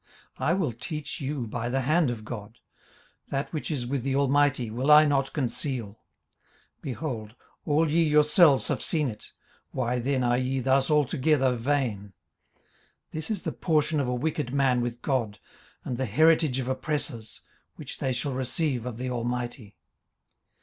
18:027:011 I will teach you by the hand of God: that which is with the Almighty will I not conceal. 18:027:012 Behold, all ye yourselves have seen it; why then are ye thus altogether vain? 18:027:013 This is the portion of a wicked man with God, and the heritage of oppressors, which they shall receive of the Almighty.